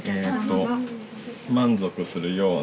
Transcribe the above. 満足するような。